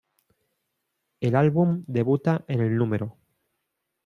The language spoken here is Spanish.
El álbum debuta en el Núm.